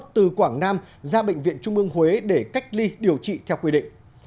từ quảng nam ra bệnh viện trung ương huế để cách ly điều trị theo quy định